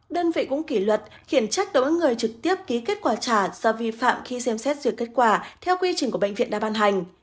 đơn vị cũng kỷ luật khiển trách đối người trực tiếp ký kết quả trả do vi phạm khi xem xét duyệt kết quả theo quy trình của bệnh viện đã ban hành